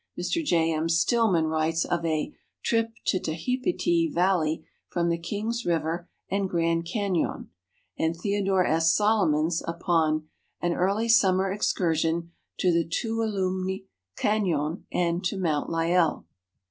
Mr J. M. Stilhnan writes of a "Trip to Tehipite Valley from the Kings River and Grand Canon," and Theodore S. Solomons upon "An Early Summer Excursion to the Tuolumne Canon and to Mount Lyell."